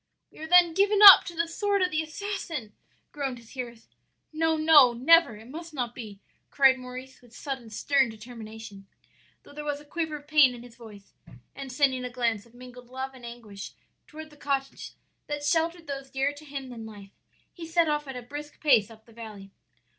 "'We are then given up to the sword of the assassin!' groaned his hearers. "'No, no, never! it must not be!' cried Maurice with sudden stern determination, though there was a quiver of pain in his voice; and sending a glance of mingled love and anguish toward the cottage that sheltered those dearer to him than life, he set off at a brisk pace up the valley.